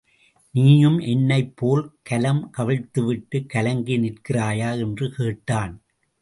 நீயும் என்னைப்போல் கலம் கவிழ்த்துவிட்டுக் கலங்கி நிற்கிறாயா? என்று கேட்டான்.